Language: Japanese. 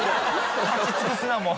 立ち尽くすなもう。